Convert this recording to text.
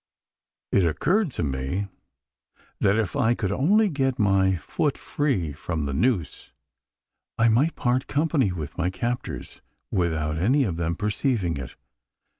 It occurred to me, that if I could only get my foot free from the noose, I might part company with my captors, without any of them perceiving it.